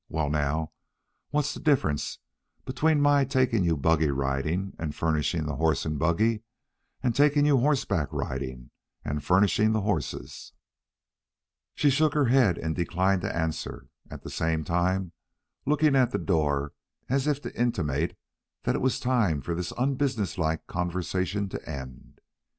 Well, now, what's the difference between my taking you buggy riding and furnishing the horse and buggy, and taking you horse back riding and furnishing the horses?" She shook her head, and declined to answer, at the same time looking at the door as if to intimate that it was time for this unbusinesslike conversation to end.